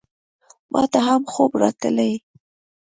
ماته هم خوب راتلی !